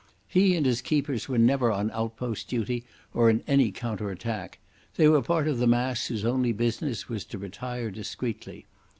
He and his keepers were never on outpost duty or in any counter attack. They were part of the mass whose only business was to retire discreetly.